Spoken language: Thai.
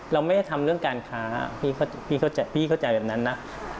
เราไม่ได้ทำเรื่องการค้าพี่เข้าใจแบบนั้นนะ